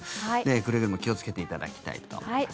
くれぐれも気をつけていただきたいと思います。